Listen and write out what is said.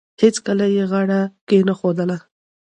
هیڅکله یې غاړه کښېنښوده.